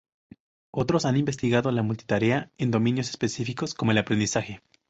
Otros han investigado la multitarea en dominios específicos, como el aprendizaje.